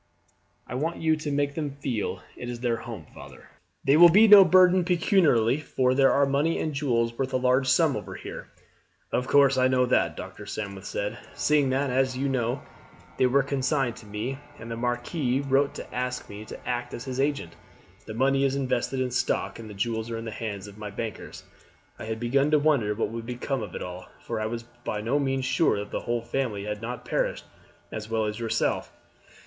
"I want you to make them feel it is their home, father. They will be no burden pecuniarily, for there are money and jewels worth a large sum over here." "Of course I know that," Dr. Sandwith said, "seeing that, as you know, they were consigned to me, and the marquis wrote to ask me to act as his agent. The money is invested in stock, and the jewels are in the hands of my bankers. I had begun to wonder what would become of it all, for I was by no means sure that the whole family had not perished, as well as yourself."